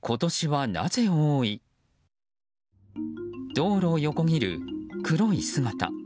道路を横切る黒い姿。